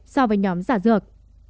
so với nhóm giả dược